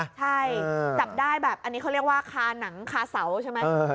ใช่จับได้แบบอันนี้เขาเรียกว่าคาหนังคาเสาใช่ไหม